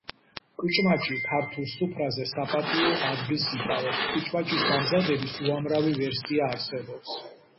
კუჭმაჭი ქართულ სუფრაზე საპატიო ადგილს იკავებს. კუჭმაჭის დამზადების უამრავი ვერსია არსებობს